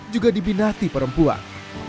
juga dibinati perempuan